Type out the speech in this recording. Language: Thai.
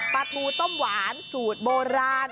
ปลาทูต้มหวานสูตรโบราณ